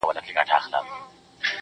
زموږه مرديت لکه عادت له مينې ژاړي~